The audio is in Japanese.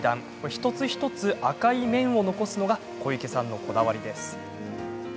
一つ一つ赤い面を残すのが小池さんのこだわりです。